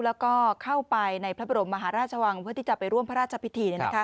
แล้วก็เข้าไปในพระบรมมหาราชวังเพื่อที่จะไปร่วมพระราชพิธี